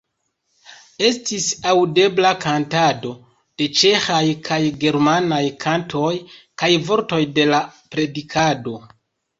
Estis aŭdebla kantado de ĉeĥaj kaj germanaj kantoj kaj vortoj de la predikado.